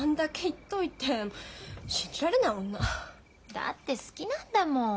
だって好きなんだもん。